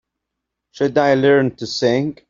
Should I learn to sing?